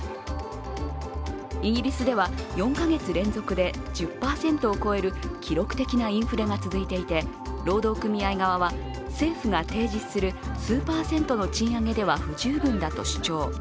イギリスでは４か月連続で１０％を超える記録的なインフレが続いていて、労働組合側は、政府が提示する数パーセントの賃上げでは不十分だと主張。